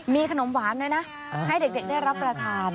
มีขนมหวานด้วยนะให้เด็กได้รับประทาน